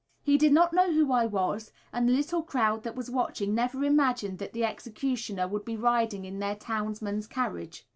He did not know who I was, and the little crowd that was watching never imagined that the executioner would be riding in their townsman's carriage.